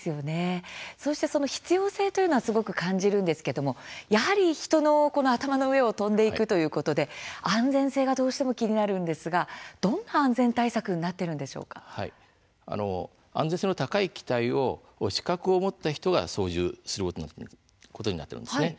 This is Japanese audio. そうした必要性というのをすごく感じるんですけれどもやはり人の頭の上を飛んでいくということで安全性がどうしても気になるんですがどんな安全対策に安全性の高い機体を資格を持った人が操縦することになっているんです。